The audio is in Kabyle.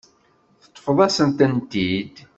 Teṭṭfeḍ-asent-tent-id.